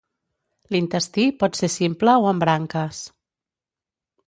L'intestí pot ser simple o amb branques.